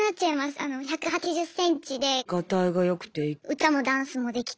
歌もダンスもできて。